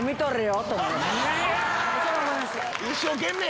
一生懸命。